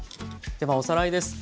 ではおさらいです。